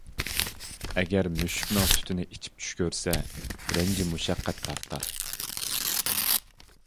ئەگەر مۈشۈكنىڭ سۈتىنى ئىچىپ چۈش كۆرسە، رەنجى-مۇشەققەت تارتار.